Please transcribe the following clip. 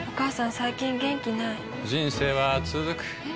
最近元気ない人生はつづくえ？